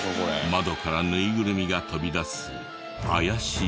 窓からぬいぐるみが飛び出す怪しい家。